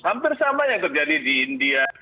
hampir sama yang terjadi di india